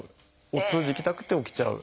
お通じ行きたくて起きちゃう。